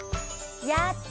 やった！